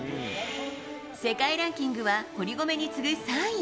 世界ランキングは堀米に次ぐ３位。